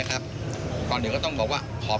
ขอบคุณครับ